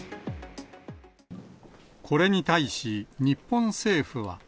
これに対し、日本政府は。